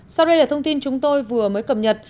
sau đây là thông tin chúng tôi vừa mới cập nhật